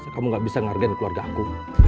kamu gak bisa ngargain keluarga aku